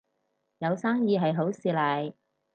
有生意係好事嚟